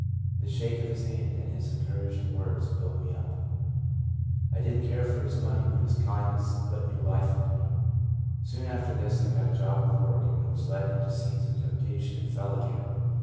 The shake of his hand and his encouraging words built me up. I did n't care for his money, but his kindness put new life into me. Soon after this I got a job of work, was led into scenes of temptation, and fell again.